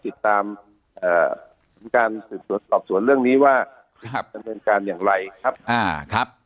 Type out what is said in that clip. ติดตามการตอบสวนเรื่องนี้ว่าเป็นเรื่องการอย่างไรครับ